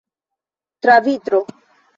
Tra vitro.